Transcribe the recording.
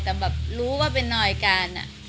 แต่รู้ว่าเป็นนอยการ